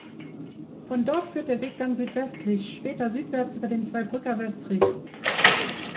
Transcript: Von dort führt der Weg dann südwestlich, später südwärts über den Zweibrücker Westrich.